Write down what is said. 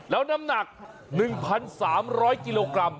แล้วน้ำหนัก๑๓๐๐กิโลกรัม